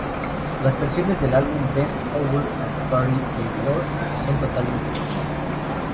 Las canciones del álbum "Bend Over and Pray the Lord" son totalmente las originales.